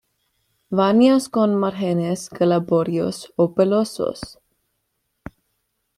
Vainas con márgenes glabros o pelosos.